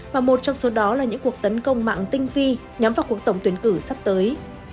và một trong số đó là những cuộc tấn công mạng tinh vi nhắm vào cuộc tổng tuyển cử sắp tới